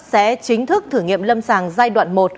sẽ chính thức thử nghiệm lâm sàng giai đoạn một